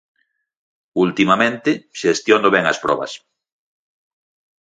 Ultimamente, xestiono ben as probas.